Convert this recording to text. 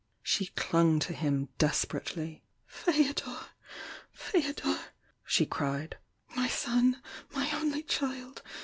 She clung to him desperately. "F^odorl Fdodor!" she cried— "My son— my only child!